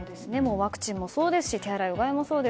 ワクチンもそうですし手洗い・うがいもそうです。